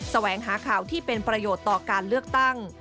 แสวงหาข่าวที่เป็นประโยชน์ต่อการเลือกตั้ง